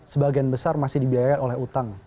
sebagian besar masih dibiayai oleh utang